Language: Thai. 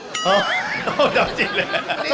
ห้องดับจิตเลยนะ